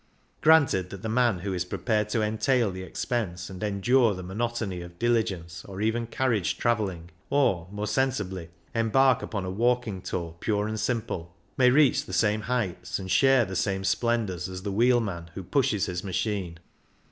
Granted that the man who is prepared to entail the expense and endure the monotony of diligence or even carriage travelling, or, more sensibly, embark upon a walking tour pure and simple, may reach the same heights and share the same splendours as the wheelman who pushes his machine.